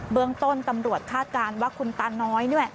เบื้องต้นตำรวจคาดการณ์ว่าคุณตาน้อย